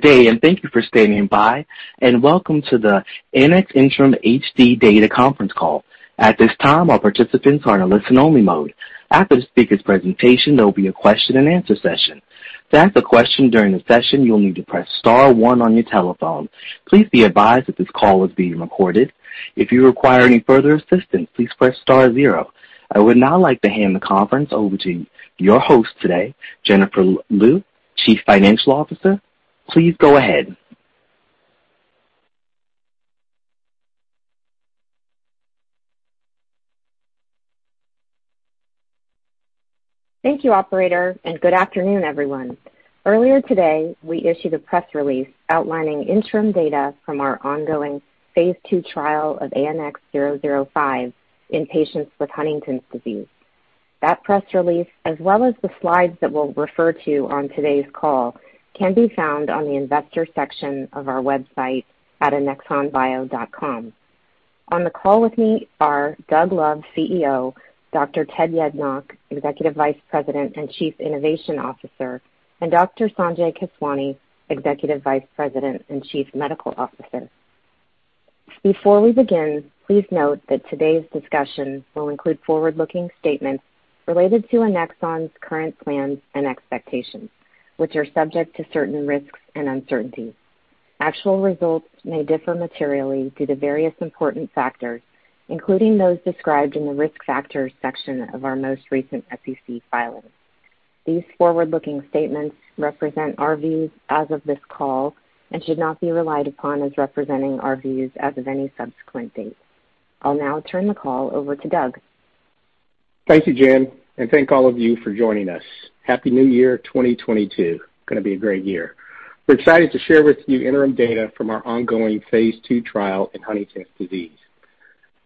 day, thank you for standing by, and welcome to the Annexon interim HD data conference call. At this time, all participants are in a listen-only mode. After the speaker's presentation, there will be a question and answer session. To ask a question during the session, you will need to press star one on your telephone. Please be advised that this call is being recorded. If you require any further assistance, please press star zero. I would now like to hand the conference over to your host today, Jennifer Lew, Chief Financial Officer. Please go ahead. Thank you operator, and good afternoon, everyone. Earlier today, we issued a press release outlining interim data from our ongoing Phase II trial of ANX005 in patients with Huntington's disease. That press release, as well as the slides that we'll refer to on today's call, can be found on the investor section of our website at annexonbio.com. On the call with me are Doug Love, CEO, Dr. Ted Yednock, Executive Vice President and Chief Innovation Officer, and Dr. Sanjay Keswani, Executive Vice President and Chief Medical Officer. Before we begin, please note that today's discussion will include forward-looking statements related to Annexon's current plans and expectations, which are subject to certain risks and uncertainties. Actual results may differ materially due to various important factors, including those described in the Risk Factors section of our most recent SEC filing. These forward-looking statements represent our views as of this call and should not be relied upon as representing our views as of any subsequent date. I'll now turn the call over to Doug. Thank you, Jen, and thank all of you for joining us. Happy New Year, 2022. Gonna be a great year. We're excited to share with you interim data from our ongoing Phase II trial in Huntington's disease.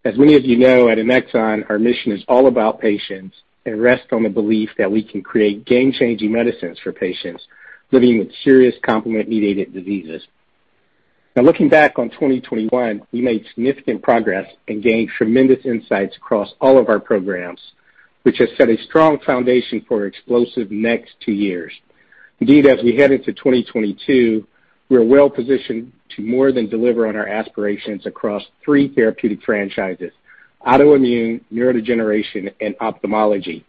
As many of you know, at Annexon, our mission is all about patients and rests on the belief that we can create game-changing medicines for patients living with serious complement-mediated diseases. Now, looking back on 2021, we made significant progress and gained tremendous insights across all of our programs, which has set a strong foundation for explosive next two years. Indeed, as we head into 2022, we are well positioned to more than deliver on our aspirations across three therapeutic franchises: autoimmune, neurodegeneration, and ophthalmology.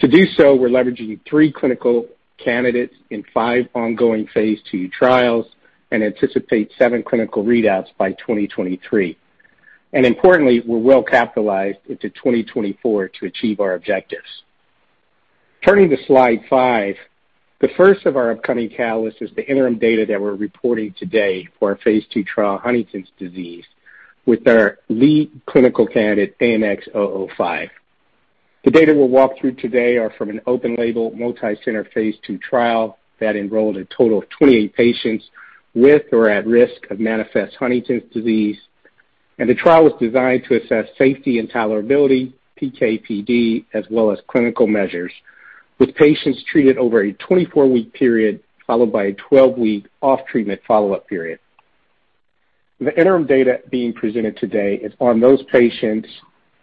To do so, we're leveraging three clinical candidates in five ongoing Phase II trials and anticipate seven clinical readouts by 2023. Importantly, we're well capitalized into 2024 to achieve our objectives. Turning to slide 5, the first of our upcoming catalysts is the interim data that we're reporting today for our Phase II trial in Huntington's disease with our lead clinical candidate, ANX005. The data we'll walk through today are from an open-label, multicenter, Phase II trial that enrolled a total of 28 patients with or at risk of manifest Huntington's disease. The trial was designed to assess safety and tolerability, PK/PD, as well as clinical measures, with patients treated over a 24-week period, followed by a 12-week off-treatment follow-up period. The interim data being presented today is on those patients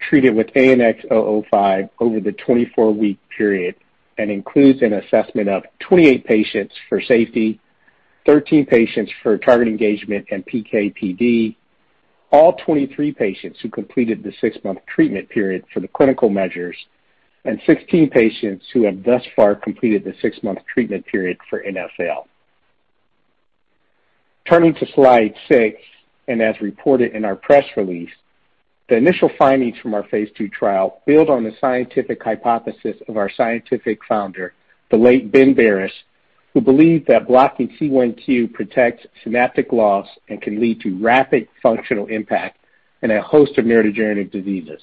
treated with ANX005 over the 24-week period and includes an assessment of 28 patients for safety, 13 patients for target engagement and PK/PD, all 23 patients who completed the six-month treatment period for the clinical measures, and 16 patients who have thus far completed the six-month treatment period for NfL. Turning to slide 6, and as reported in our press release, the initial findings from our Phase II trial build on the scientific hypothesis of our scientific founder, the late Ben Barres, who believed that blocking C1q protects synaptic loss and can lead to rapid functional impact in a host of neurodegenerative diseases.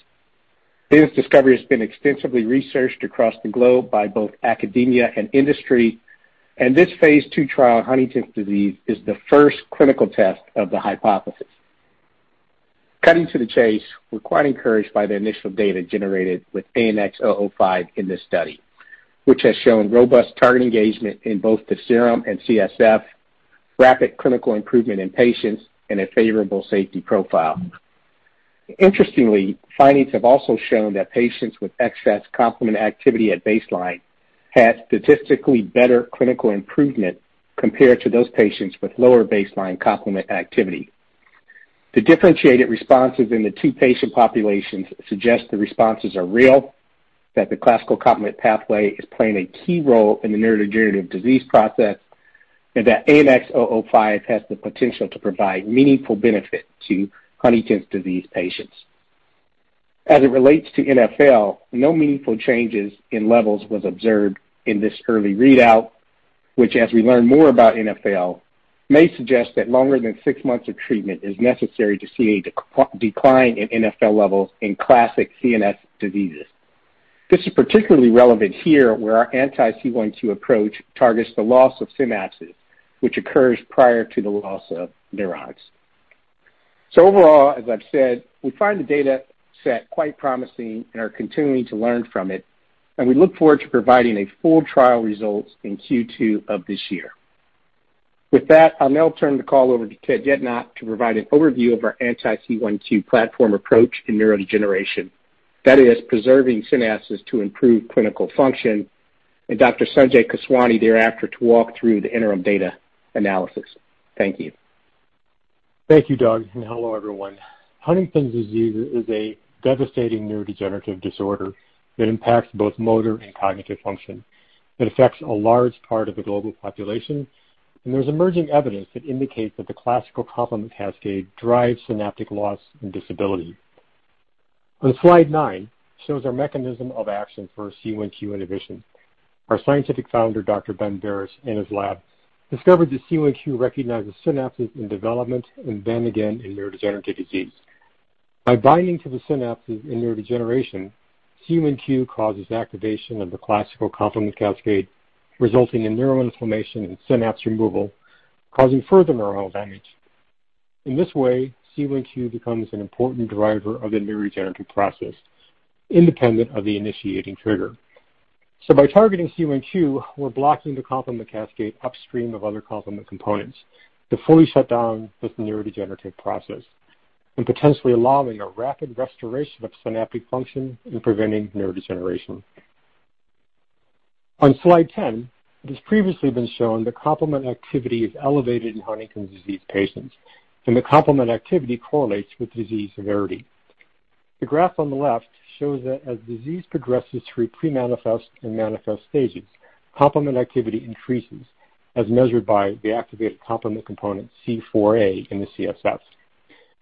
This discovery has been extensively researched across the globe by both academia and industry, and this Phase II trial, Huntington's disease, is the first clinical test of the hypothesis. Cutting to the chase, we're quite encouraged by the initial data generated with ANX005 in this study, which has shown robust target engagement in both the serum and CSF, rapid clinical improvement in patients, and a favorable safety profile. Interestingly, findings have also shown that patients with excess complement activity at baseline had statistically better clinical improvement compared to those patients with lower baseline complement activity. The differentiated responses in the two patient populations suggest the responses are real, that the classical complement pathway is playing a key role in the neurodegenerative disease process, and that ANX005 has the potential to provide meaningful benefit to Huntington's disease patients. As it relates to NfL, no meaningful changes in levels was observed in this early readout, which, as we learn more about NfL, may suggest that longer than six months of treatment is necessary to see a decline in NfL levels in classic CNS diseases. This is particularly relevant here, where our anti-C1Q approach targets the loss of synapses, which occurs prior to the loss of neurons. Overall, as I've said, we find the data set quite promising and are continuing to learn from it, and we look forward to providing a full trial results in Q2 of this year. With that, I'll now turn the call over to Ted Yednock to provide an overview of our anti-C1Q platform approach in neurodegeneration. That is preserving synapses to improve clinical function, and Dr. Sanjay Keswani thereafter to walk through the interim data analysis. Thank you. Thank you, Doug, and hello, everyone. Huntington's disease is a devastating neurodegenerative disorder that impacts both motor and cognitive function. It affects a large part of the global population, and there's emerging evidence that indicates that the classical complement cascade drives synaptic loss and disability. On slide nine shows our mechanism of action for C1q inhibition. Our scientific founder, Dr. Ben Barres, in his lab discovered that C1q recognizes synapses in development and then again in neurodegenerative disease. By binding to the synapses in neurodegeneration, C1q causes activation of the classical complement cascade, resulting in neural inflammation and synapse removal, causing further neuronal damage. In this way, C1q becomes an important driver of the neurodegenerative process, independent of the initiating trigger. By targeting C1q, we're blocking the complement cascade upstream of other complement components to fully shut down this neurodegenerative process and potentially allowing a rapid restoration of synaptic function in preventing neurodegeneration. On Slide 10, it has previously been shown that complement activity is elevated in Huntington's disease patients, and the complement activity correlates with disease severity. The graph on the left shows that as disease progresses through pre-manifest and manifest stages, complement activity increases as measured by the activated complement component C4a in the CSF.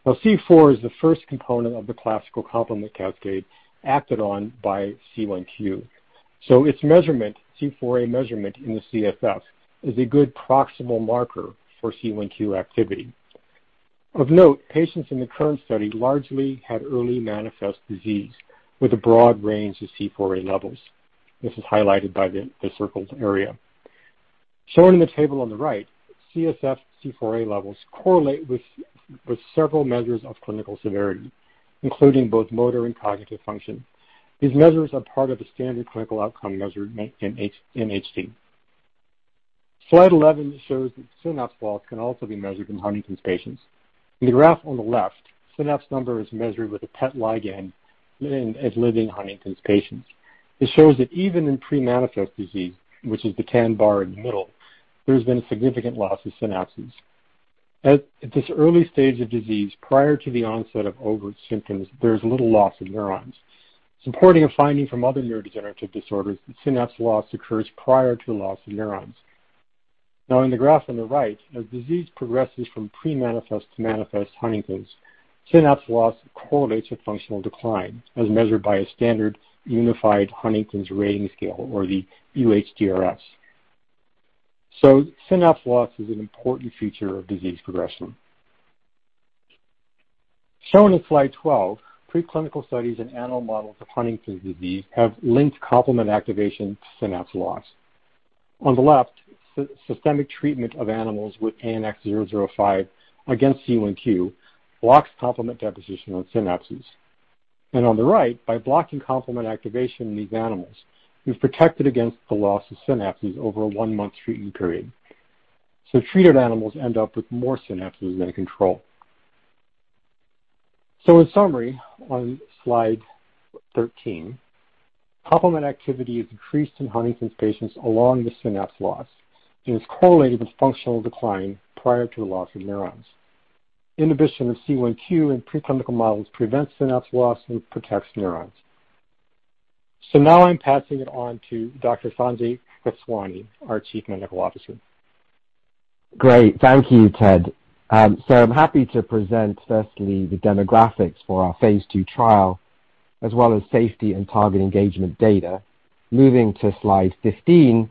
Now C4 is the first component of the classical complement cascade acted on by C1q. Its measurement, C4a measurement in the CSF, is a good proximal marker for C1q activity. Of note, patients in the current study largely had early manifest disease with a broad range of C4a levels. This is highlighted by the circled area. Shown in the table on the right, CSF C4a levels correlate with several measures of clinical severity, including both motor and cognitive function. These measures are part of the standard clinical outcome measured in HD. Slide 11 shows that synapse loss can also be measured in Huntington's patients. In the graph on the left, synapse number is measured with a PET ligand in living Huntington's patients. It shows that even in pre-manifest disease, which is the tan bar in the middle, there's been significant loss of synapses. At this early stage of disease, prior to the onset of overt symptoms, there's little loss of neurons. Supporting a finding from other neurodegenerative disorders, that synapse loss occurs prior to the loss of neurons. Now in the graph on the right, as disease progresses from pre-manifest to manifest Huntington's, synapse loss correlates with functional decline, as measured by a standard unified Huntington's rating scale or the UHDRS. Synapse loss is an important feature of disease progression. Shown in slide 12, preclinical studies in animal models of Huntington's disease have linked complement activation to synapse loss. On the left, systemic treatment of animals with ANX005 against C1Q blocks complement deposition on synapses. On the right, by blocking complement activation in these animals, we've protected against the loss of synapses over a 1-month treatment period. Treated animals end up with more synapses than control. In summary, on slide 13, complement activity is increased in Huntington's patients along with synapse loss and is correlated with functional decline prior to the loss of neurons. Inhibition of C1q in preclinical models prevents synapse loss and protects neurons. Now I'm passing it on to Dr. Sanjay Keswani, our Chief Medical Officer. Great. Thank you, Ted. I'm happy to present firstly the demographics for our Phase II trial, as well as safety and target engagement data. Moving to Slide 15,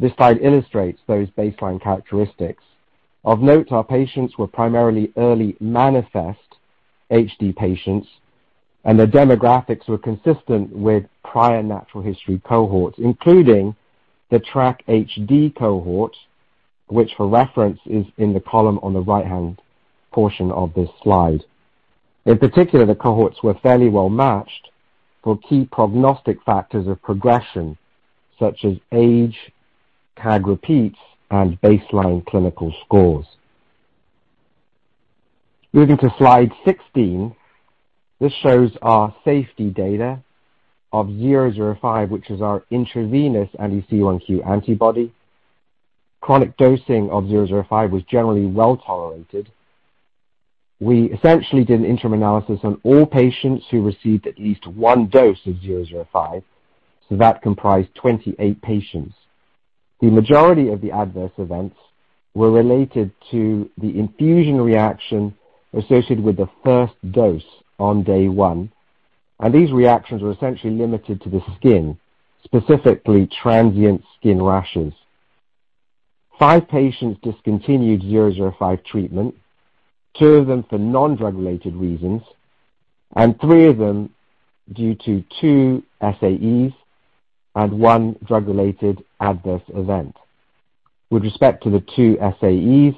this slide illustrates those baseline characteristics. Of note, our patients were primarily early manifest HD patients, and their demographics were consistent with prior natural history cohorts, including the TRACK-HD cohort, which for reference is in the column on the right-hand portion of this slide. In particular, the cohorts were fairly well-matched for key prognostic factors of progression such as age, CAG repeats, and baseline clinical scores. Moving to Slide 16, this shows our safety data of 005, which is our intravenous anti-C1q antibody. Chronic dosing of 005 was generally well-tolerated. We essentially did an interim analysis on all patients who received at least one dose of 005, so that comprised 28 patients. The majority of the adverse events were related to the infusion reaction associated with the first dose on day one, and these reactions were essentially limited to the skin, specifically transient skin rashes. 5 patients discontinued ANX005 treatment, two of them for non-drug related reasons, and three of them due to 2 SAEs and one drug-related adverse event. With respect to the 2 SAEs,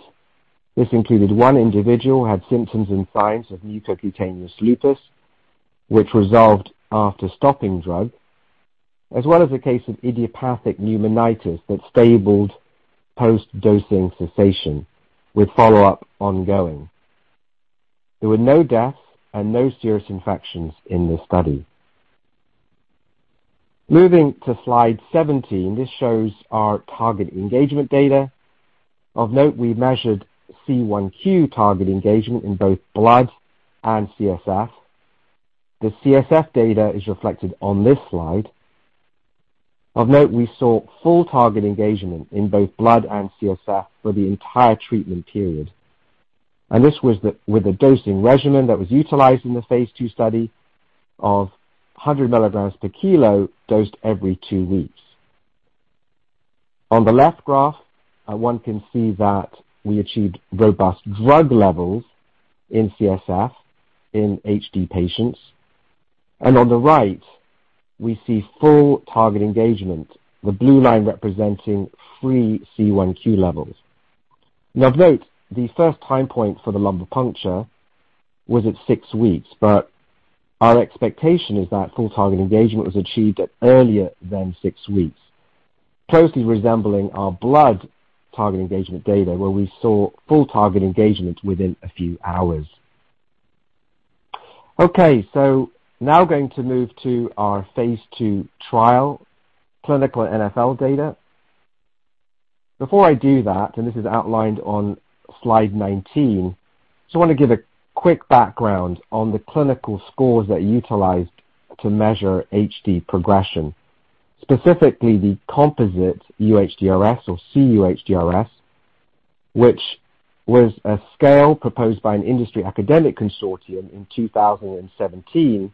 this included one individual who had symptoms and signs of mucocutaneous lupus, which resolved after stopping drug. As well as a case of idiopathic pneumonitis that stabilized post-dosing cessation, with follow-up ongoing. There were no deaths and no serious infections in this study. Moving to slide 17, this shows our target engagement data. Of note, we measured C1Q target engagement in both blood and CSF. The CSF data is reflected on this slide. Of note, we saw full target engagement in both blood and CSF for the entire treatment period. This was with the dosing regimen that was utilized in the Phase II study of 100 milligrams per kg dosed every two weeks. On the left graph, one can see that we achieved robust drug levels in CSF in HD patients. On the right, we see full target engagement, the blue line representing free C1Q levels. Now, of note, the first time point for the lumbar puncture was at six weeks, but our expectation is that full target engagement was achieved earlier than six weeks, closely resembling our blood target engagement data, where we saw full target engagement within a few hours. Okay, now going to move to our Phase II trial, clinical NfL data. Before I do that, and this is outlined on slide 19, just wanna give a quick background on the clinical scores they utilized to measure HD progression, specifically the Composite UHDRS or cUHDRS, which was a scale proposed by an industry academic consortium in 2017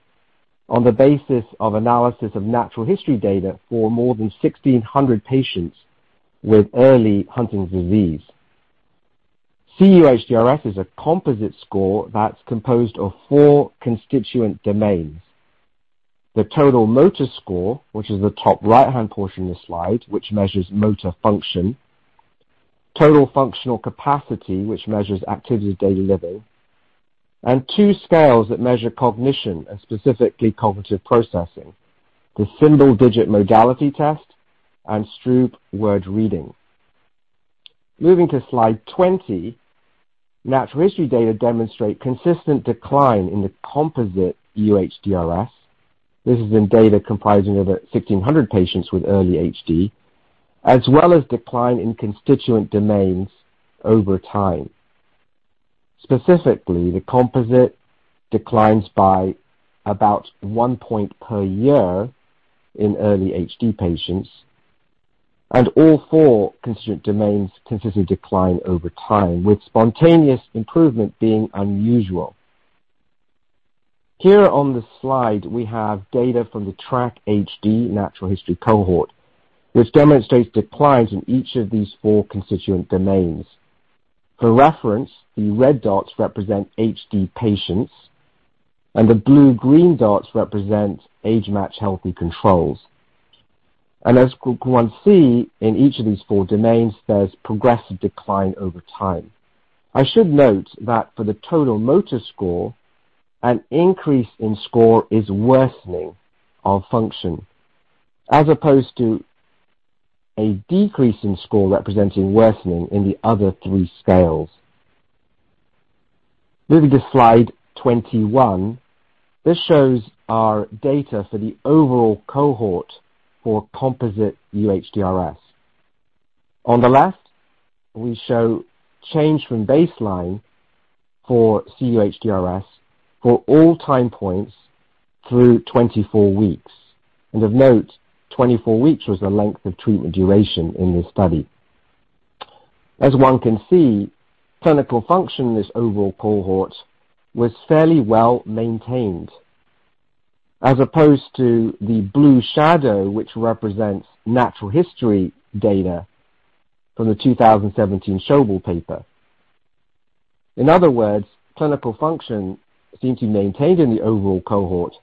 on the basis of analysis of natural history data for more than 1,600 patients with early Huntington's disease. cUHDRS is a composite score that's composed of four constituent domains. The total motor score, which is the top right-hand portion of the slide, which measures motor function, total functional capacity, which measures activity of daily living, and two scales that measure cognition and specifically cognitive processing, the Symbol Digit Modalities Test and Stroop Word Reading. Moving to slide 20, natural history data demonstrate consistent decline in the Composite UHDRS. This includes data comprising over 1,500 patients with early HD, as well as decline in constituent domains over time. Specifically, the composite declines by about 1 point per year in early HD patients, and all 4 constituent domains consistently decline over time, with spontaneous improvement being unusual. Here on the slide, we have data from the TRACK-HD natural history cohort, which demonstrates declines in each of these 4 constituent domains. For reference, the red dots represent HD patients and the blue-green dots represent age-matched healthy controls. As you can see, in each of these 4 domains, there's progressive decline over time. I should note that for the total motor score, an increase in score is worsening of function, as opposed to a decrease in score representing worsening in the other 3 scales. Moving to slide 21, this shows our data for the overall cohort for Composite UHDRS. On the left, we show change from baseline for cUHDRS for all time points through 24 weeks. Of note, 24 weeks was the length of treatment duration in this study. As one can see, clinical function in this overall cohort was fairly well-maintained, as opposed to the blue shadow, which represents natural history data from the 2017 Schöbel paper. In other words, clinical function seemed to be maintained in the overall cohort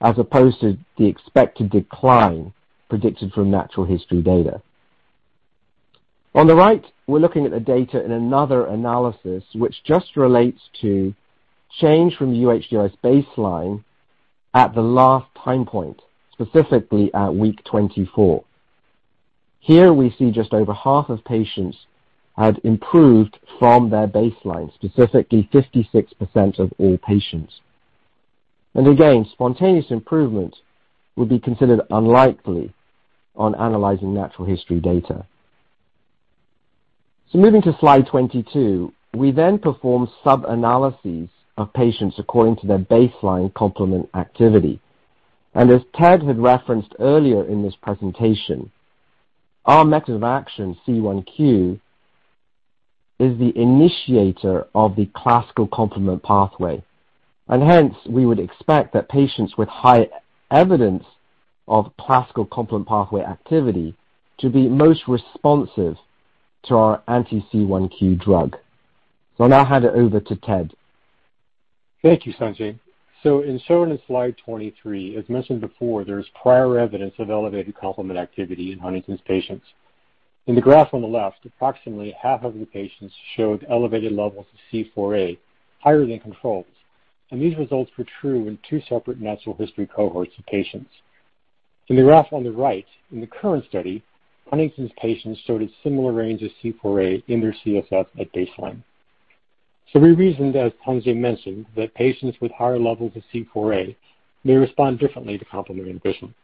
as opposed to the expected decline predicted from natural history data. On the right, we're looking at the data in another analysis which just relates to change from UHDRS baseline at the last time point, specifically at week 24. Here, we see just over half of patients had improved from their baseline, specifically 56% of all patients. Again, spontaneous improvement would be considered unlikely on analyzing natural history data. Moving to slide 22, we then performed sub-analyses of patients according to their baseline complement activity. As Ted had referenced earlier in this presentation, our mechanism of action, C1Q, is the initiator of the classical complement pathway. Hence, we would expect that patients with high evidence of classical complement pathway activity to be most responsive to our anti-C1Q drug. I'll now hand it over to Ted. Thank you, Sanjay. As shown in slide 23, as mentioned before, there is prior evidence of elevated complement activity in Huntington's patients. In the graph on the left, approximately half of the patients showed elevated levels of C4a higher than controls, and these results were true in 2 separate natural history cohorts of patients. In the graph on the right, in the current study, Huntington's patients showed a similar range of C4a in their CSF at baseline. We reasoned, as Sanjay mentioned, that patients with higher levels of C4a may respond differently to complement inhibition.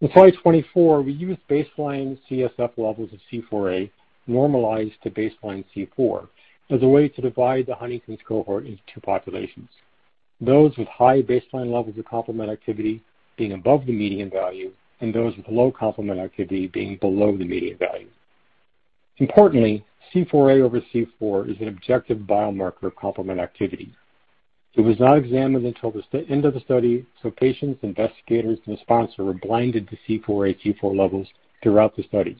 In slide 24, we used baseline CSF levels of C4a normalized to baseline C4 as a way to divide the Huntington's cohort into 2 populations. Those with high baseline levels of complement activity being above the median value, and those with low complement activity being below the median value. Importantly, C4a/C4 is an objective biomarker of complement activity. It was not examined until the end of the study, so patients, investigators, and the sponsor were blinded to C4a/C4 levels throughout the study.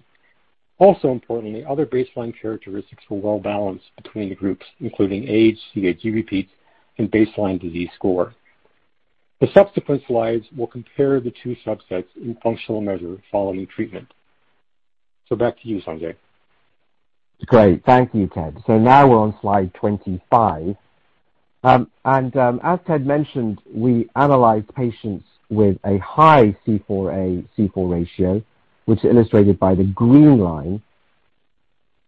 Also importantly, other baseline characteristics were well balanced between the groups, including age, CAG repeats, and baseline disease score. The subsequent slides will compare the two subsets in functional measure following treatment. Back to you, Sanjay. Great. Thank you, Ted. Now we're on slide 25. As Ted mentioned, we analyzed patients with a high C4a/C4 ratio, which is illustrated by the green line,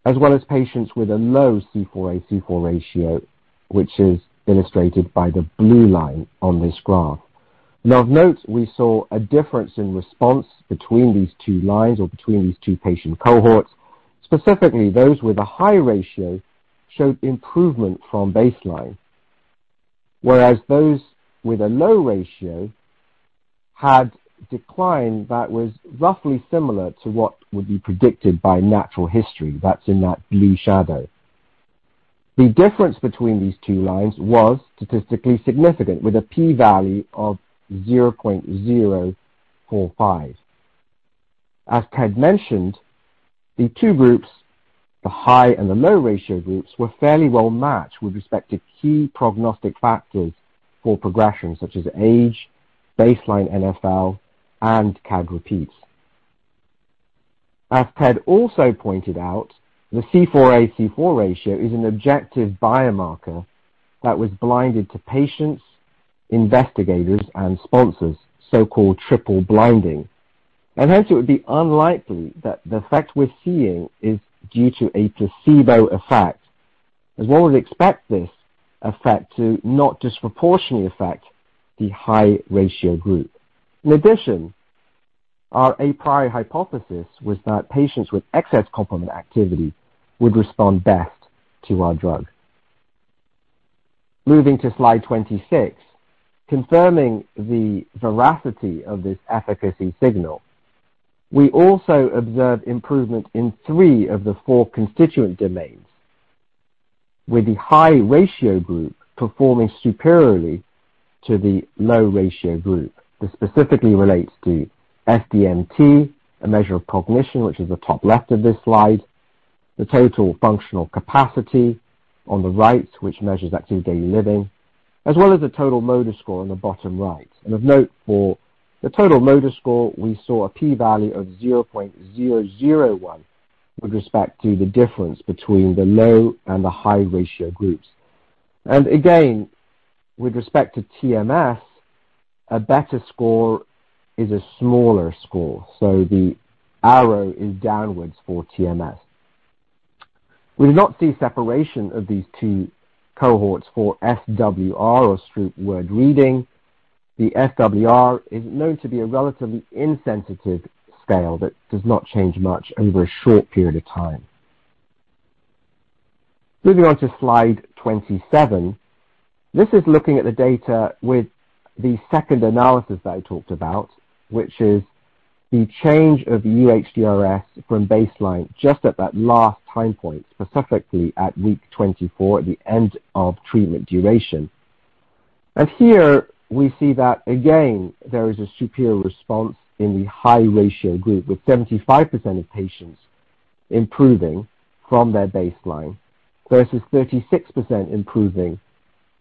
as well as patients with a low C4a/C4 ratio, which is illustrated by the blue line on this graph. Now, of note, we saw a difference in response between these two lines or between these two patient cohorts. Specifically, those with a high ratio showed improvement from baseline, whereas those with a low ratio had decline that was roughly similar to what would be predicted by natural history. That's in that blue shadow. The difference between these two lines was statistically significant with a p-value of 0.045. As Ted mentioned, the two groups, the high and the low ratio groups, were fairly well-matched with respect to key prognostic factors for progression such as age, baseline NfL, and CAG repeats. As Ted also pointed out, the C4a/C4 ratio is an objective biomarker that was blinded to patients, investigators, and sponsors, so-called triple blinding. Hence it would be unlikely that the effect we're seeing is due to a placebo effect, as one would expect this effect to not disproportionately affect the high ratio group. In addition, our a priori hypothesis was that patients with excess complement activity would respond best to our drug. Moving to slide 26. Confirming the veracity of this efficacy signal, we also observed improvement in three of the four constituent domains, with the high ratio group performing superiorly to the low ratio group. This specifically relates to SDMT, a measure of cognition, which is the top left of this slide, the total functional capacity on the right, which measures activities of daily living, as well as the total motor score on the bottom right. Of note for the total motor score, we saw a p-value of 0.001 with respect to the difference between the low and the high ratio groups. Again, with respect to TMS, a better score is a smaller score. The arrow is downwards for TMS. We did not see separation of these two cohorts for SWR or Stroop Word Reading. The SWR is known to be a relatively insensitive scale that does not change much over a short period of time. Moving on to slide 27. This is looking at the data with the second analysis that I talked about, which is the change of the UHDRS from baseline just at that last time point, specifically at week 24 at the end of treatment duration. Here we see that, again, there is a superior response in the high ratio group, with 75% of patients improving from their baseline versus 36% improving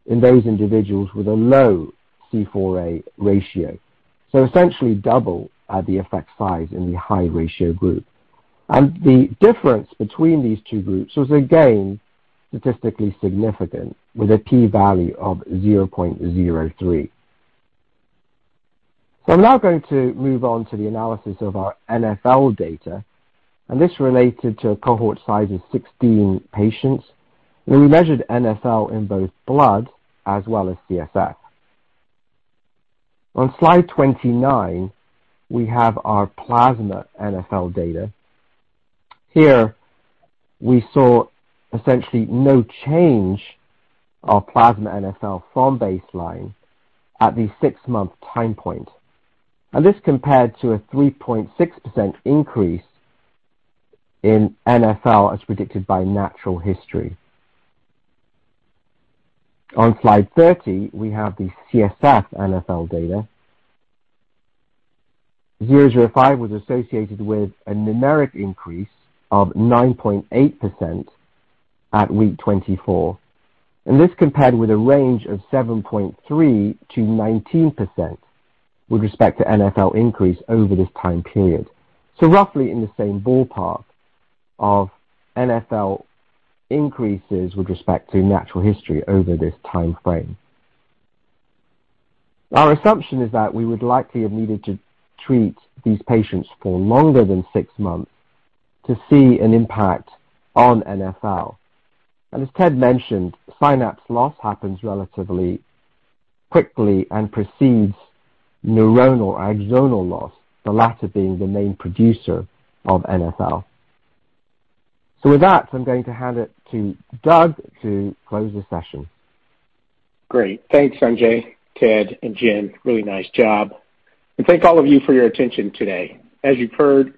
in those individuals with a low C4a ratio. Essentially double the effect size in the high ratio group. The difference between these two groups was again statistically significant with a p-value of 0.03. I'm now going to move on to the analysis of our NFL data, and this related to a cohort size of 16 patients, where we measured NFL in both blood as well as CSF. On slide 29, we have our plasma NfL data. Here we saw essentially no change of plasma NfL from baseline at the 6-month time point. This compared to a 3.6% increase in NfL as predicted by natural history. On slide 30, we have the CSF NfL data. 005 was associated with a numeric increase of 9.8% at week 24. This compared with a range of 7.3%-19% with respect to NfL increase over this time period. Roughly in the same ballpark of NfL increases with respect to natural history over this time frame. Our assumption is that we would likely have needed to treat these patients for longer than 6 months to see an impact on NfL. As Ted mentioned, synapse loss happens relatively quickly and precedes neuronal axonal loss, the latter being the main producer of NfL. With that, I'm going to hand it to Doug to close the session. Great. Thanks, Sanjay, Ted and Jim. Really nice job. Thank all of you for your attention today. As you've heard,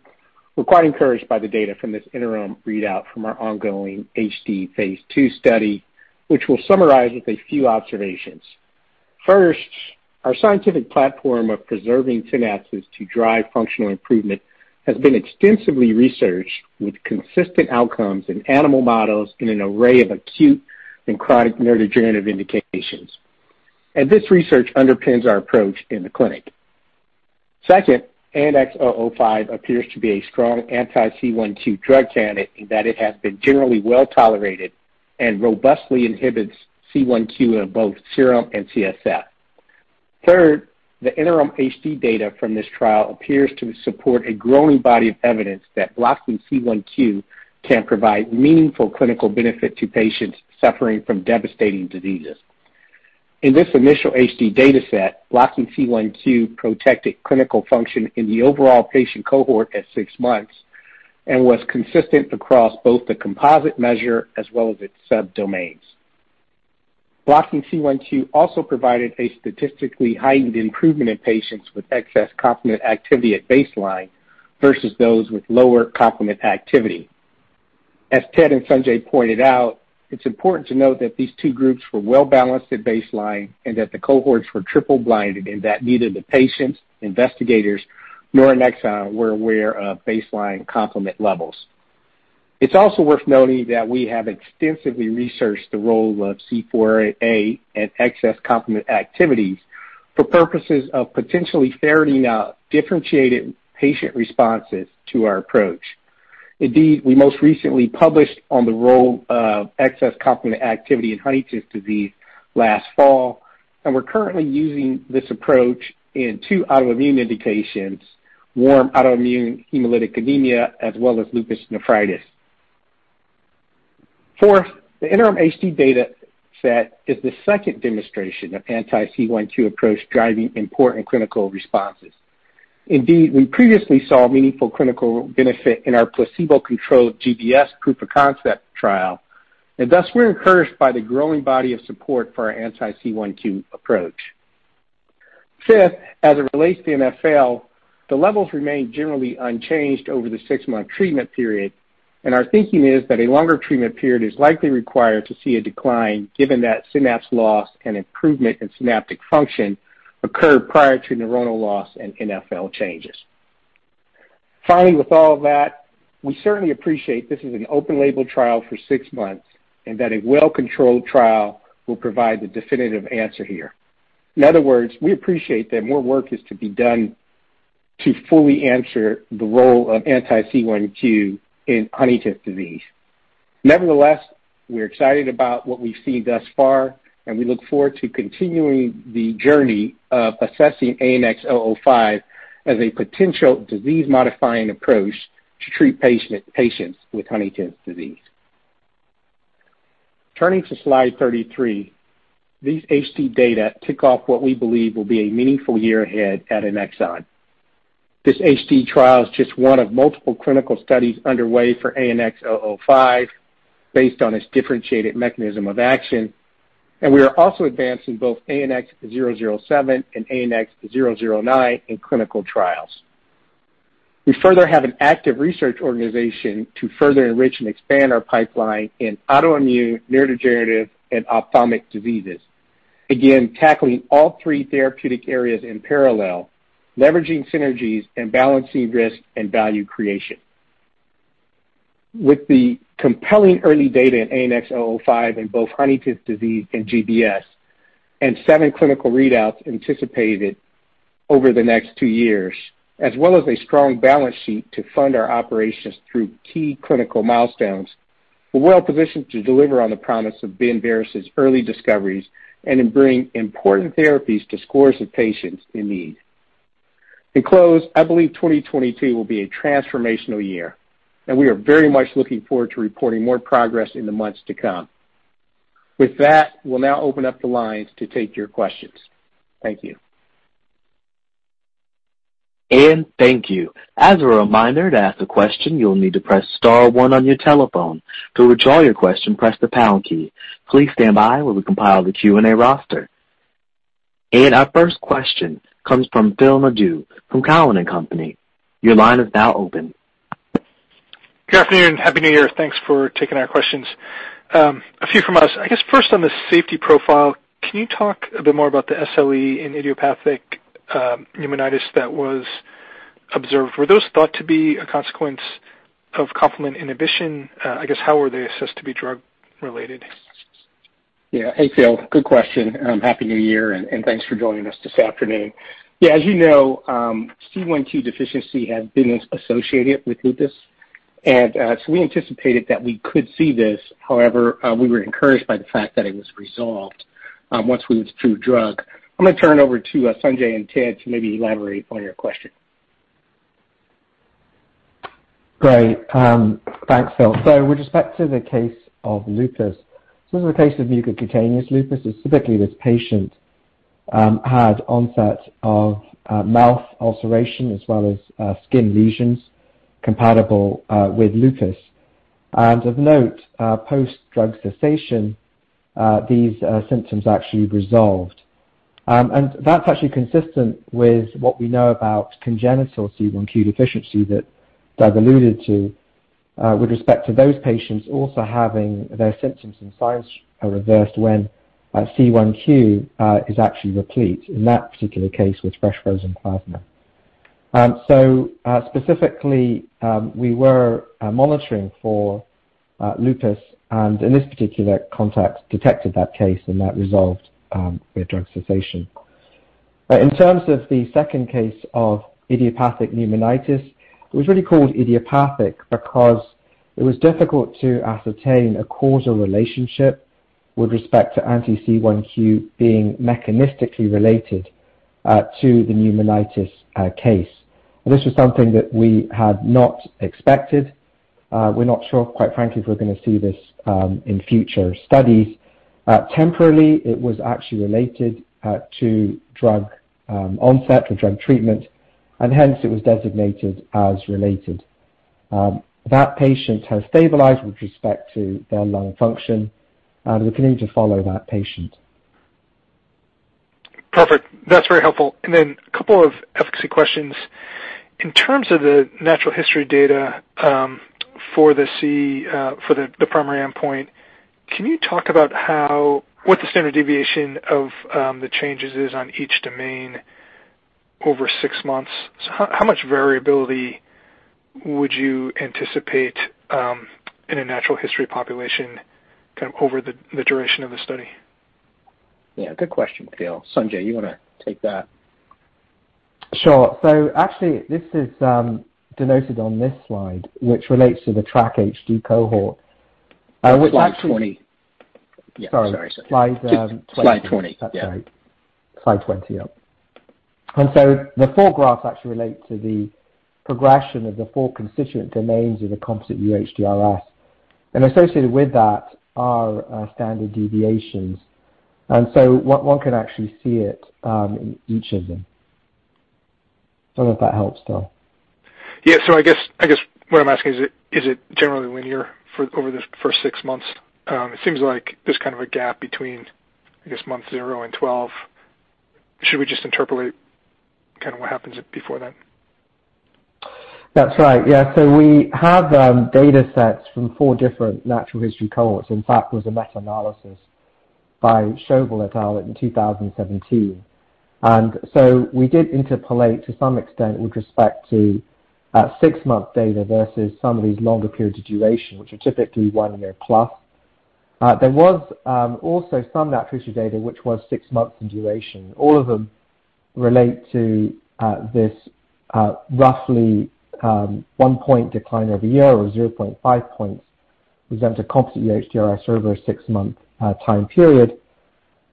we're quite encouraged by the data from this interim readout from our ongoing HD Phase II study, which we'll summarize with a few observations. First, our scientific platform of preserving synapses to drive functional improvement has been extensively researched with consistent outcomes in animal models in an array of acute and chronic neurodegenerative indications. This research underpins our approach in the clinic. Second, ANX005 appears to be a strong anti-C1Q drug candidate in that it has been generally well tolerated and robustly inhibits C1Q in both serum and CSF. Third, the interim HD data from this trial appears to support a growing body of evidence that blocking C1Q can provide meaningful clinical benefit to patients suffering from devastating diseases. In this initial HD dataset, blocking C1Q protected clinical function in the overall patient cohort at six months and was consistent across both the composite measure as well as its subdomains. Blocking C1Q also provided a statistically heightened improvement in patients with excess complement activity at baseline versus those with lower complement activity. As Ted and Sanjay pointed out, it's important to note that these two groups were well balanced at baseline and that the cohorts were triple blinded, and that neither the patients, investigators, nor Annexon were aware of baseline complement levels. It's also worth noting that we have extensively researched the role of C4a and excess complement activities for purposes of potentially ferreting out differentiated patient responses to our approach. Indeed, we most recently published on the role of excess complement activity in Huntington's disease last fall, and we're currently using this approach in two autoimmune indications, warm autoimmune hemolytic anemia as well as lupus nephritis. Fourth, the interim HD dataset is the second demonstration of anti-C1Q approach driving important clinical responses. Indeed, we previously saw meaningful clinical benefit in our placebo-controlled GBS proof of concept trial, and thus we're encouraged by the growing body of support for our anti-C1Q approach. Fifth, as it relates to NfL, the levels remained generally unchanged over the six-month treatment period. Our thinking is that a longer treatment period is likely required to see a decline, given that synapse loss and improvement in synaptic function occur prior to neuronal loss and NfL changes. Finally, with all of that, we certainly appreciate this is an open label trial for six months and that a well-controlled trial will provide the definitive answer here. In other words, we appreciate that more work is to be done to fully answer the role of anti-C1Q in Huntington's disease. Nevertheless, we're excited about what we've seen thus far, and we look forward to continuing the journey of assessing ANX005 as a potential disease modifying approach to treat patients with Huntington's disease. Turning to slide 33. These HD data tick off what we believe will be a meaningful year ahead at Annexon. This HD trial is just one of multiple clinical studies underway for ANX005 based on its differentiated mechanism of action. We are also advancing both ANX007 and ANX009 in clinical trials. We further have an active research organization to further enrich and expand our pipeline in autoimmune, neurodegenerative and ophthalmic diseases. Again, tackling all three therapeutic areas in parallel, leveraging synergies and balancing risk and value creation. With the compelling early data in ANX005 in both Huntington's disease and GBS, and 7 clinical readouts anticipated over the next two years, as well as a strong balance sheet to fund our operations through key clinical milestones, we're well positioned to deliver on the promise of Ben Barres' early discoveries and in bringing important therapies to scores of patients in need. To close, I believe 2022 will be a transformational year, and we are very much looking forward to reporting more progress in the months to come. With that, we'll now open up the lines to take your questions. Thank you. Thank you. As a reminder, to ask a question, you will need to press star one on your telephone. To withdraw your question, press the pound key. Please stand by while we compile the Q&A roster. Our first question comes from Phil Nadeau from. Your line is now open. Good afternoon and happy New Year. Thanks for taking our questions. A few from us. I guess first on the safety profile, can you talk a bit more about the SLE in idiopathic pneumonitis that was observed? Were those thought to be a consequence of complement inhibition? I guess, how were they assessed to be drug-related? Yeah. Hey, Phil. Good question and Happy New Year, and thanks for joining us this afternoon. Yeah, as you know, C1Q deficiency has been associated with lupus. We anticipated that we could see this. However, we were encouraged by the fact that it was resolved once we withdrew drug. I'm gonna turn over to Sanjay and Ted to maybe elaborate on your question. Great. Thanks, Phil. With respect to the case of lupus, this is a case of mucocutaneous lupus. Specifically, this patient had onset of mouth ulceration as well as skin lesions compatible with lupus. Of note, post-drug cessation, these symptoms actually resolved. That's actually consistent with what we know about congenital C1Q deficiency that Doug alluded to with respect to those patients also having their symptoms and signs are reversed when C1Q is actually replete, in that particular case with fresh frozen plasma. Specifically, we were monitoring for lupus, and in this particular context, detected that case and that resolved with drug cessation. In terms of the second case of idiopathic pneumonitis, it was really called idiopathic because it was difficult to ascertain a causal relationship with respect to anti-C1q being mechanistically related to the pneumonitis case. This was something that we had not expected. We're not sure, quite frankly, if we're gonna see this in future studies. Temporally, it was actually related to drug onset or drug treatment, and hence it was designated as related. That patient has stabilized with respect to their lung function, and we continue to follow that patient. Perfect. That's very helpful. Then a couple of efficacy questions. In terms of the natural history data, for the primary endpoint, can you talk about what the standard deviation of the changes is on each domain over six months? How much variability would you anticipate in a natural history population kind of over the duration of the study? Yeah, good question, Phil. Sanjay, you wanna take that? Sure. Actually, this is denoted on this slide, which relates to the TRACK-HD cohort. Slide 20. Sorry. Yeah, sorry, Sanjay. Slide. Slide 20. Yeah. That's right. Slide 20, yeah. The four graphs actually relate to the progression of the four constituent domains of the composite UHDRS. Associated with that are standard deviations. What one can actually see it in each of them. Don't know if that helps, Phil. Yeah. I guess what I'm asking, is it generally linear for over the first 6 months? It seems like there's kind of a gap between, I guess, month 0 and 12. Should we just interpolate kinda what happens before then? That's right. Yeah. We have datasets from 4 different natural history cohorts. In fact, there was a meta-analysis by Schöbel et al. in 2017. We did interpolate to some extent with respect to six-month data versus some of these longer periods of duration, which are typically one year plus. There was also some natural history data which was six months in duration. All of them relate to this roughly one-point decline over a year or 0.5 points in composite UHDRS over a six-month time period.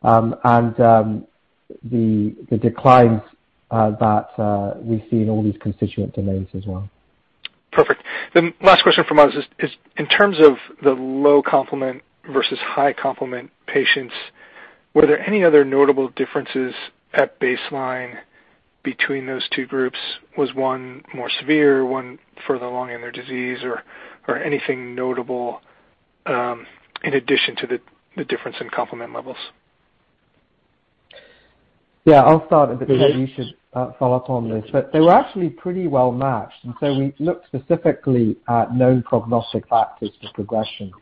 The declines that we see in all these constituent domains as well. Perfect. The last question from us is in terms of the low complement versus high complement patients, were there any other notable differences at baseline between those two groups? Was one more severe, one further along in their disease or anything notable, in addition to the difference in complement levels? Yeah, I'll start. Okay. You should follow up on this. They were actually pretty well matched. We looked specifically at known prognostic factors for progression.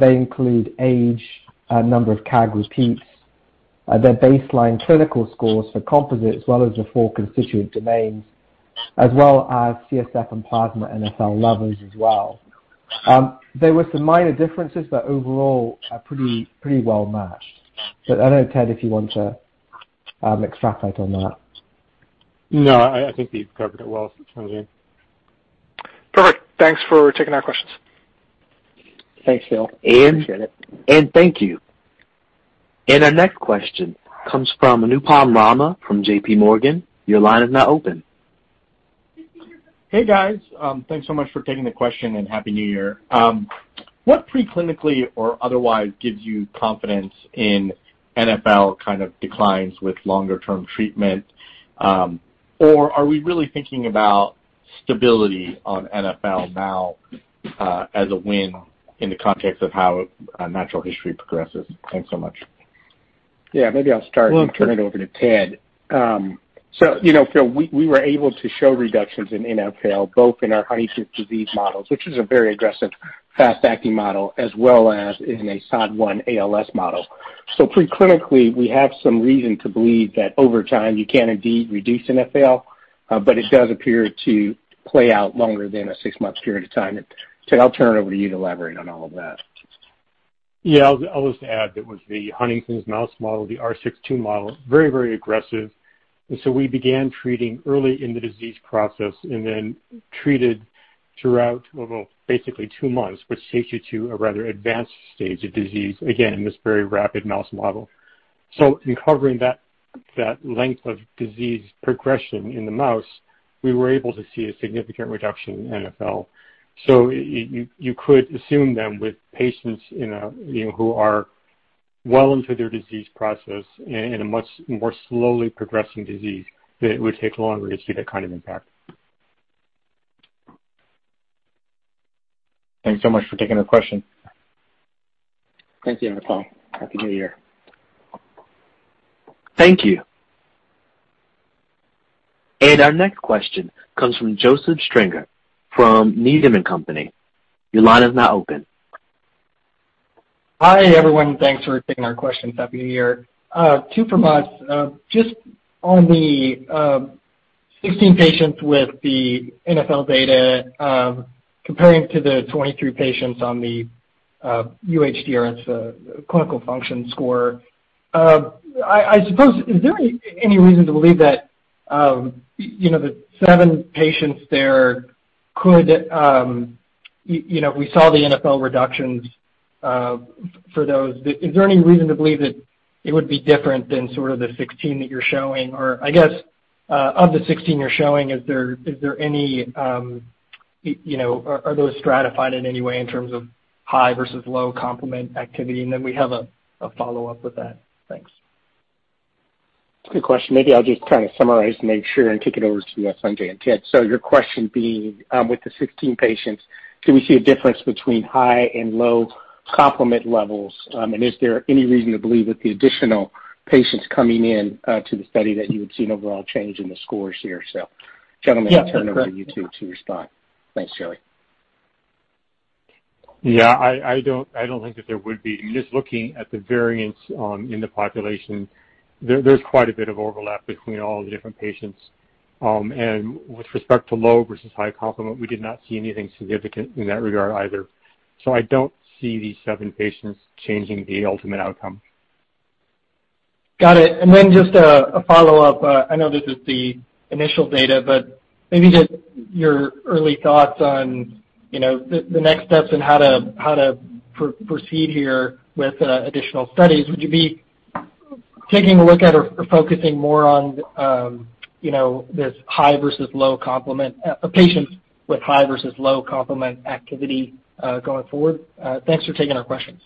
They include age, number of CAG repeats, their baseline clinical scores for composite as well as the four constituent domains, as well as CSF and plasma NfL levels as well. There were some minor differences, but overall are pretty well matched. I don't know, Ted, if you want to extrapolate on that. No, I think you've covered it well, Sanjay. Perfect. Thanks for taking our questions. Thanks, Phil. And- Appreciate it. Thank you. Our next question comes from Anupam Rama from JP Morgan. Your line is now open. Hey, guys. Thanks so much for taking the question, and Happy New Year. What preclinically or otherwise gives you confidence in NfL kind of declines with longer-term treatment? Are we really thinking about stability on NfL now, as a win in the context of how natural history progresses? Thanks so much. Yeah, maybe I'll start. Well- Turn it over to Ted. You know, Phil, we were able to show reductions in NfL both in our Huntington's disease models, which is a very aggressive fast-acting model, as well as in a SOD1 ALS model. Preclinically, we have some reason to believe that over time you can indeed reduce NfL, but it does appear to play out longer than a six-month period of time. I'll turn it over to you to elaborate on all of that. Yeah. I'll just add that was the Huntington's mouse model, the R6/2 model, very, very aggressive. We began treating early in the disease process and then treated throughout, well, basically two months, which takes you to a rather advanced stage of disease, again, in this very rapid mouse model. In covering that length of disease progression in the mouse, we were able to see a significant reduction in NFL. You could assume then with patients in a who are well into their disease process in a much more slowly progressing disease, that it would take longer to see that kind of impact. Thanks so much for taking the question. Thank you, Arthur. Happy New Year. Thank you. Our next question comes from Joseph Stringer from Needham & Company. Your line is now open. Hi, everyone. Thanks for taking our questions. Happy New Year. Two from us. Just on the 16 patients with the NFL data, comparing to the 23 patients on the UHDRS clinical function score, I suppose, is there any reason to believe that you know, the seven patients there could you know, we saw the NFL reductions for those. Is there any reason to believe that it would be different than sort of the 16 that you're showing? Or I guess, of the 16 you're showing, is there you know, are those stratified in any way in terms of high versus low complement activity? Then we have a follow-up with that. Thanks. Good question. Maybe I'll just kind of summarize to make sure and kick it over to Sanjay and Ted. Your question being, with the 16 patients, can we see a difference between high and low complement levels? And is there any reason to believe that the additional patients coming in to the study that you would see an overall change in the scores here? Gentlemen- Yeah. I'll turn over to you two to respond. Thanks, Joseph. Yeah. I don't think that there would be. Just looking at the variance in the population, there's quite a bit of overlap between all the different patients. With respect to low versus high complement, we did not see anything significant in that regard either. I don't see these seven patients changing the ultimate outcome. Got it. Just a follow-up. I know this is the initial data, but maybe just your early thoughts on the next steps in how to proceed here with additional studies. Would you be taking a look at or focusing more on this high versus low complement patients with high versus low complement activity going forward? Thanks for taking our questions.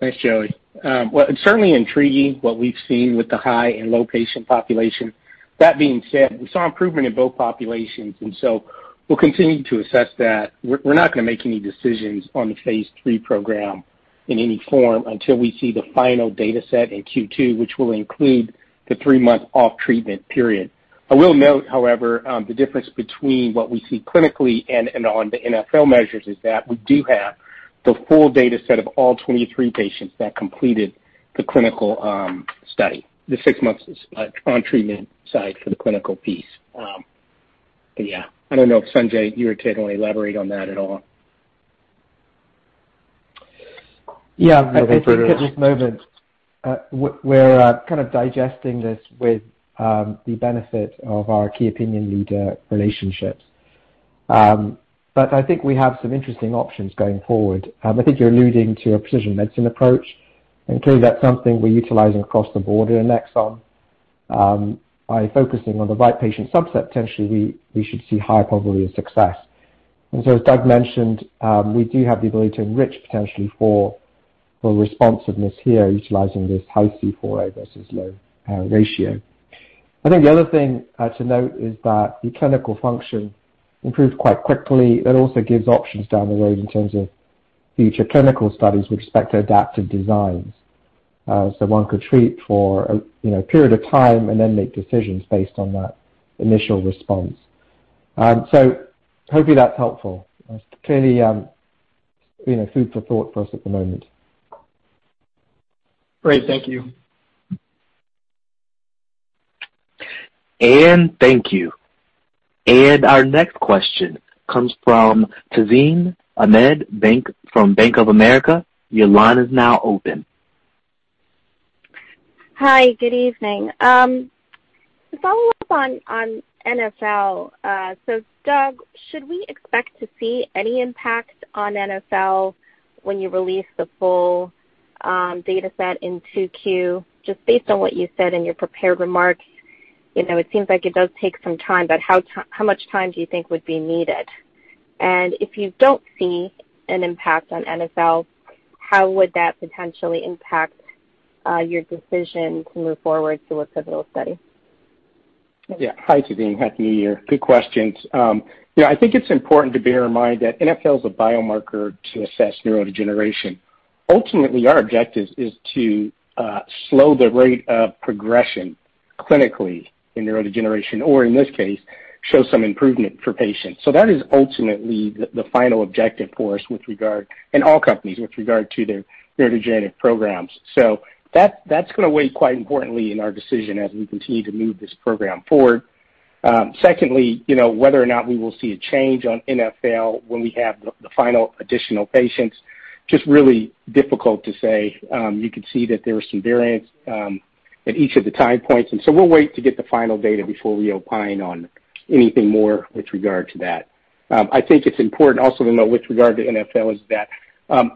Thanks, Joey. Well, it's certainly intriguing what we've seen with the high and low patient population. That being said, we saw improvement in both populations, and so we'll continue to assess that. We're not gonna make any decisions on the Phase III program in any form until we see the final dataset in Q2, which will include the 3-month off treatment period. I will note, however, the difference between what we see clinically and on the NFL measures is that we do have the full dataset of all 23 patients that completed the clinical study, the 6 months on treatment side for the clinical piece. I don't know if Sanjay, you or Ted want to elaborate on that at all. Yeah. Nothing further. I think at this moment, we're kind of digesting this with the benefit of our key opinion leader relationships. I think we have some interesting options going forward. I think you're alluding to a precision medicine approach, and clearly that's something we're utilizing across the board in Annexon. By focusing on the right patient subset, potentially we should see high probability of success. As Doug mentioned, we do have the ability to enrich potentially for responsiveness here utilizing this high C4a versus low ratio. I think the other thing to note is that the clinical function improved quite quickly. It also gives options down the road in terms of future clinical studies with respect to adaptive designs. One could treat for a period of time and then make decisions based on that initial response. Hopefully that's helpful. It's clearly food for thought for us at the moment. Great. Thank you. Thank you. Our next question comes from Tazeen Ahmad from Bank of America. Your line is now open. Hi. Good evening. To follow up on NfL, so Doug, should we expect to see any impact on NfL when you release the full dataset in 2Q? Just based on what you said in your prepared remarks it seems like it does take some time, but how much time do you think would be needed? If you don't see an impact on NfL, how would that potentially impact your decision to move forward to a pivotal study? Yeah. Hi, Tazeen. Happy New Year. Good questions. You know, I think it's important to bear in mind that NfL is a biomarker to assess neurodegeneration. Ultimately, our objective is to slow the rate of progression clinically in neurodegeneration, or in this case, show some improvement for patients. That is ultimately the final objective for us and all companies with regard to their neurodegenerative programs. That, that's gonna weigh quite importantly in our decision as we continue to move this program forward. secondly whether or not we will see a change on NfL when we have the final additional patients, it's just really difficult to say. You could see that there was some variance at each of the time points, and so we'll wait to get the final data before we opine on anything more with regard to that. I think it's important also to note with regard to NfL is that,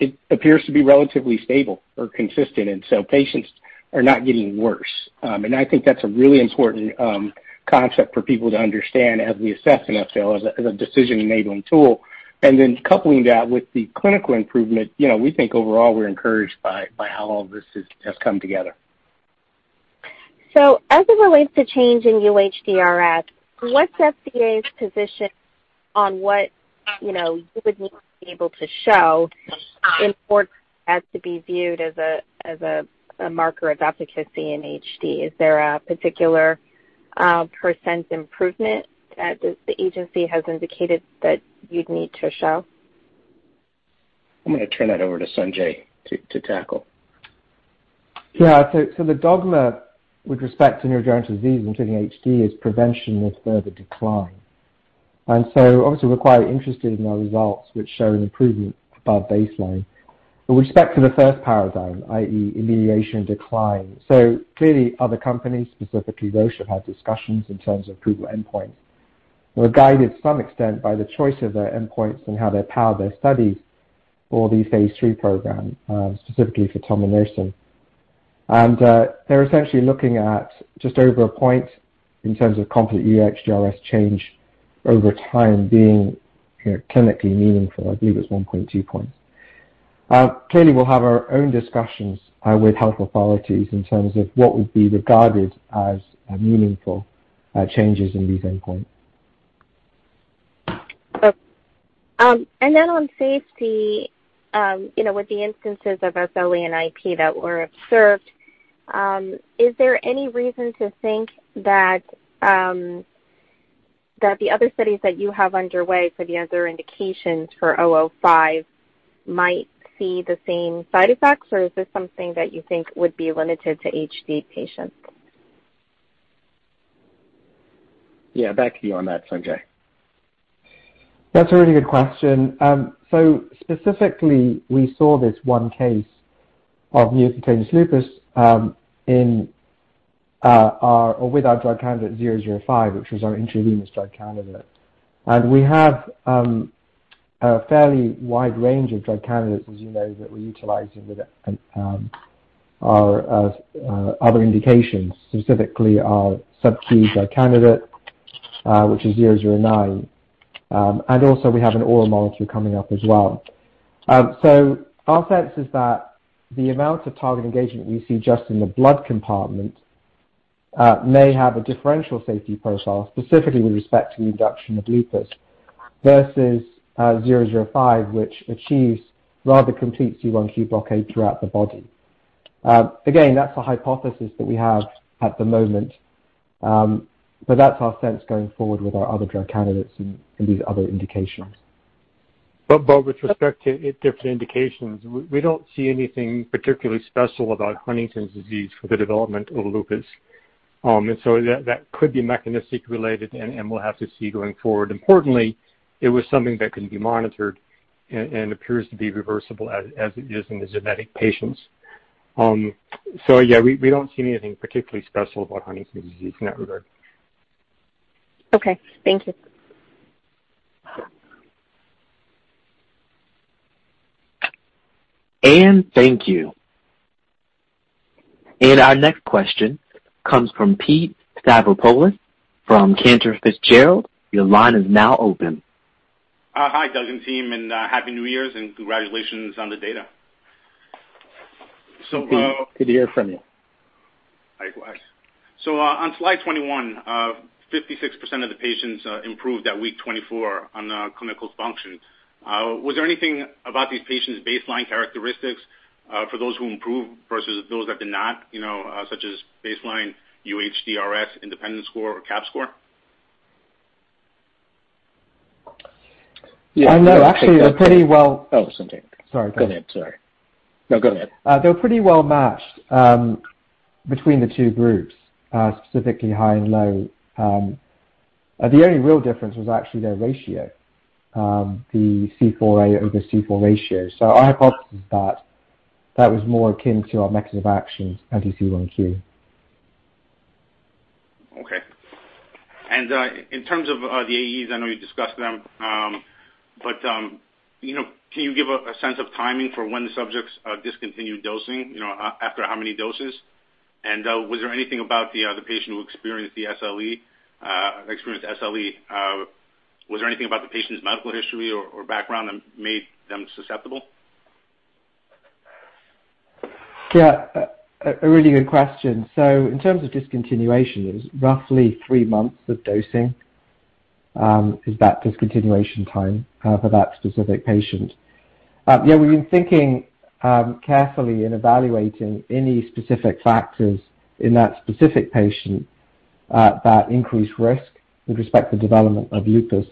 it appears to be relatively stable or consistent, and so patients are not getting worse. I think that's a really important concept for people to understand as we assess NfL as a decision-making tool. Coupling that with the clinical improvement we think overall we're encouraged by how all of this has come together. As it relates to change in UHDRS, what's FDA's position on what you would need to be able to show in order for that to be viewed as a marker of efficacy in HD? Is there a particular % improvement that the agency has indicated that you'd need to show? I'm gonna turn that over to Sanjay to tackle. Yeah. The dogma with respect to neurodegenerative disease, including HD, is prevention of further decline. Obviously we're quite interested in our results which show an improvement above baseline. With respect to the first paradigm, i.e., remediation decline, clearly other companies, specifically those who have had discussions in terms of approval endpoints, were guided to some extent by the choice of their endpoints and how they powered their studies for the Phase III program, specifically for tominersen. They're essentially looking at just over a point in terms of composite UHDRS change over time being clinically meaningful. I believe it's 1.2 points. Clearly we'll have our own discussions with health authorities in terms of what would be regarded as meaningful changes in these endpoints. Okay. On safety with the instances of SLE and IP that were observed, is there any reason to think that the other studies that you have underway for the other indications for ANX005 might see the same side effects, or is this something that you think would be limited to HD patients? Yeah. Back to you on that, Sanjay. That's a really good question. Specifically we saw this one case of mucocutaneous lupus with our drug candidate zero-zero-five, which was our intravenous drug candidate. We have a fairly wide range of drug candidates, as you know, that we're utilizing with our other indications, specifically our subcu drug candidate, which is zero-zero-nine. We also have an oral molecule coming up as well. Our sense is that the amount of target engagement we see just in the blood compartment may have a differential safety profile, specifically with respect to the induction of lupus versus zero-zero-five, which achieves rather complete C1q blockade throughout the body. Again, that's a hypothesis that we have at the moment, but that's our sense going forward with our other drug candidates in these other indications. With respect to different indications, we don't see anything particularly special about Huntington's disease for the development of lupus. That could be mechanistically related, and we'll have to see going forward. Importantly, it was something that can be monitored and appears to be reversible as it is in the genetic patients. Yeah, we don't see anything particularly special about Huntington's disease in that regard. Okay. Thank you. Thank you. Our next question comes from Pete Stavropoulos from Cantor Fitzgerald. Your line is now open. Hi, Doug and team, and happy New Year's and congratulations on the data. Good to hear from you. Likewise. On slide 21, 56% of the patients improved at week 24 on clinical function. Was there anything about these patients' baseline characteristics for those who improved versus those that did not such as baseline UHDRS independence score or CAP score? Yeah. No, actually they're pretty well. Oh, Sanjay, sorry. Go ahead. Sorry. No, go ahead. They were pretty well matched between the two groups, specifically high and low. The only real difference was actually their ratio, the C4a over C4 ratio. Our hypothesis is that was more akin to our mechanism of action, anti-C1q. Okay. In terms of the AEs, I know you discussed them, but you know, can you give a sense of timing for when the subjects discontinued dosing after how many doses? Was there anything about the patient's medical history or background that made them susceptible? Yeah. A really good question. In terms of discontinuation, it was roughly three months of dosing as the discontinuation time for that specific patient. We've been thinking carefully in evaluating any specific factors in that specific patient that increased risk with respect to development of lupus,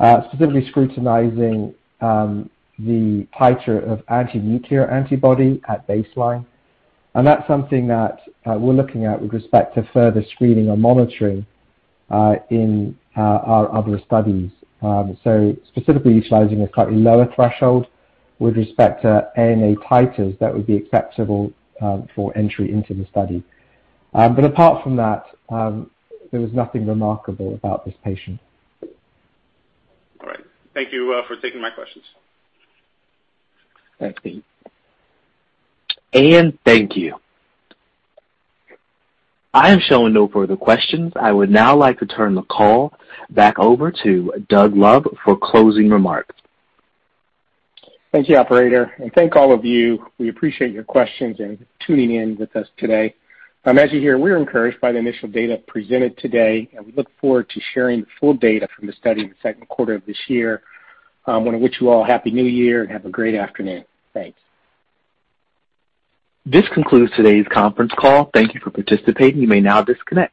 specifically scrutinizing the titer of antinuclear antibody at baseline. That's something that we're looking at with respect to further screening or monitoring in our other studies. Specifically utilizing a slightly lower threshold with respect to ANA titers that would be acceptable for entry into the study. Apart from that, there was nothing remarkable about this patient. All right. Thank you for taking my questions. Thanks, Pete. Thank you. I am showing no further questions. I would now like to turn the call back over to Doug Love for closing remarks. Thank you, operator. Thank all of you. We appreciate your questions and tuning in with us today. As you hear, we're encouraged by the initial data presented today, and we look forward to sharing the full data from the study in the Q2 of this year. We want to wish you all a happy new year and have a great afternoon. Thanks. This concludes today's conference call. Thank you for participating. You may now disconnect.